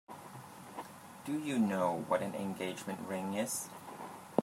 Do you know what an engagement ring is?